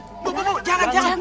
tunggu tunggu jangan jangan